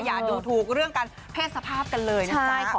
อย่าดูถูกเรื่องการเพศสภาพกันเลยนะจ๊ะ